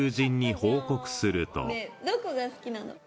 ねぇどこが好きなの？